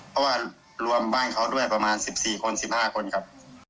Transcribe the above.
เพราะว่ารวมบ้านเขาด้วยประมาณ๑๔คน๑๕คนครับ